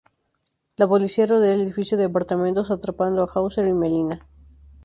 La policía rodea el edificio de apartamentos, atrapando a Hauser y Melina.